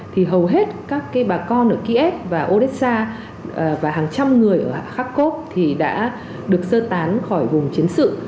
thì hầu hết các bà con ở kiev và odessa và hàng trăm người ở kharkov thì đã được sơ tán khỏi vùng chiến sự